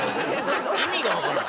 意味がわからん。